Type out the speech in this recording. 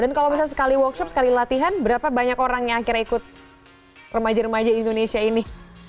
dan kalau misalnya sekali workshop sekali latihan berapa banyak orang yang akhirnya ikut remaja remaja indonesia ini